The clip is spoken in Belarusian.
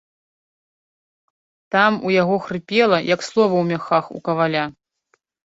Там у яго хрыпела, як слова ў мяхах у каваля.